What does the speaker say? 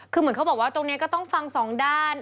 คือเหมือนเขาบอกว่าตรงนี้ก็ต้องฟังสองด้าน